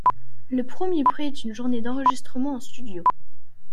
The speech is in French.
Le premier prix est une journée d'enregistrement en studio.